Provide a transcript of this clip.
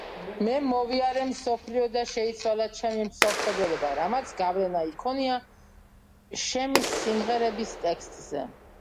მე მოვიარე მსოფლიო და შეიცვალა ჩემი მსოფლმხედველობა, რამაც გავლენა იქონია შემის სიმღერების ტექსტზე.